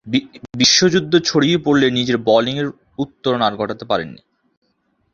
বিশ্বযুদ্ধ ছড়িয়ে পড়লে নিজের বোলিংয়ের উত্তরণ আর ঘটাতে পারেননি।